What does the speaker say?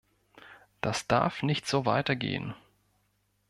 Das darf nicht so weitergehen.